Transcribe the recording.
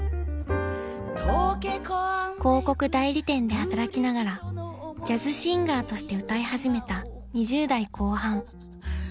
［広告代理店で働きながらジャズシンガーとして歌い始めた２０代後半］